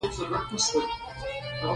د میزبان په نه موجودیت کې بقا نه لري.